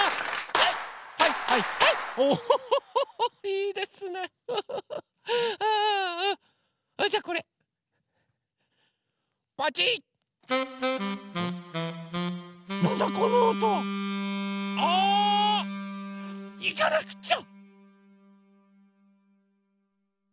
いかなくちゃ！